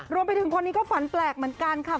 รวมไปถึงคนนี้ก็ฝันแปลกเหมือนกันค่ะ